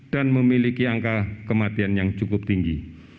dan memiliki angka kematian yang cukup tinggi